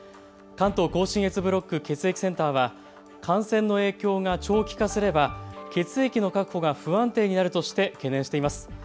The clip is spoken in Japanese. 関東甲信越ブロック血液センターは感染の影響が長期化すれば血液の確保が不安定になるとして懸念しています。